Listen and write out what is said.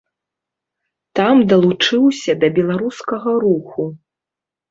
Там далучыўся да беларускага руху.